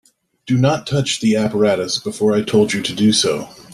Do not touch the apparatus before I told you to do so.